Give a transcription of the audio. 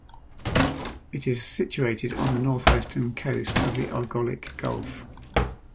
It is situated on the northwestern coast of the Argolic Gulf.